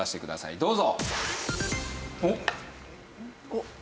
おっ。